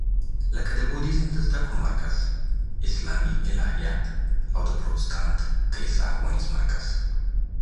لکه د بودیزم د زده کړو مرکز، اسلامي الهیات او پروتستانت کلیسا ښوونیز مرکز.